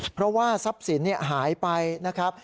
เพราะว่าทรัพย์สินหายไปนะครับ